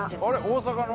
大阪の？」